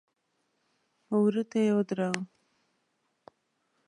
وره ته يې ودراوه.